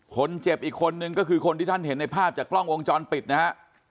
อีกคนนึงก็คือคนที่ท่านเห็นในภาพจากกล้องวงจรปิดนะฮะ